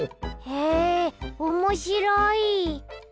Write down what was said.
へえおもしろい。